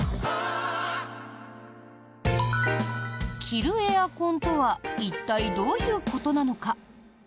着るエアコンとは一体、どういうことなのか？